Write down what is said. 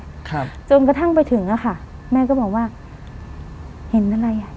ครับจนกระทั่งไปถึงอ่ะค่ะแม่ก็บอกว่าเห็นอะไรอ่ะ